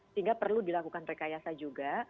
sehingga perlu dilakukan rekayasa juga